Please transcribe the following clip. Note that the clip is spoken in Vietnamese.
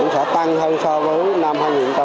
sẽ tăng hơn so với năm hai nghìn hai mươi ba